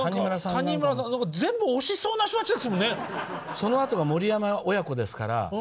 そのあとが森山親子ですから。